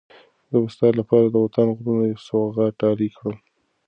زه به ستا لپاره د وطن د غرونو یو سوغات ډالۍ کړم.